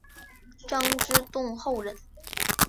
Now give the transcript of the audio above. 张之洞后人。